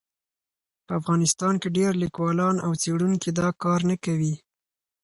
په افغانستان کې ډېر لیکوالان او څېړونکي دا کار نه کوي.